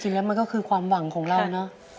แล้วมันก็คือความหวังของเรานะ